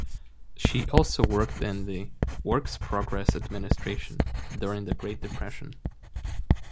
She also worked in the Works Progress Administration during the Great Depression.